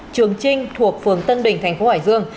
trường trinh thuộc phường tân bình thành phố hải dương